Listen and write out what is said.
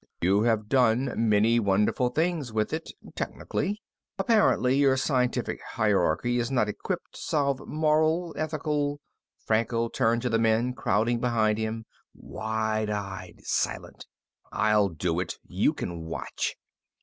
You have done many wonderful things with it technically. Apparently, your scientific hierarchy is not equipped to solve moral, ethical " Franco turned to the men, crowding behind him, wide eyed, silent. "I'll do it. You can watch."